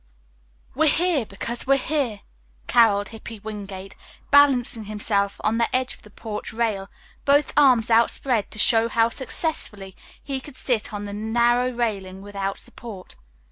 "We're here because we're here," caroled Hippy Wingate, balancing himself on the edge of the porch rail, both arms outspread to show how successfully he could sit on the narrow railing without support.